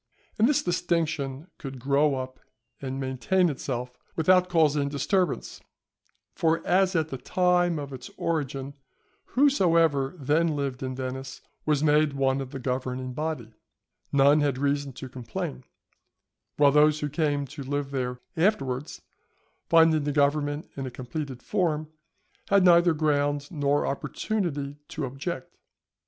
And this distinction could grow up and maintain itself without causing disturbance; for as at the time of its origin, whosoever then lived in Venice was made one of the governing body, none had reason to complain; while those who came to live there afterwards, finding the government in a completed form, had neither ground nor opportunity to object.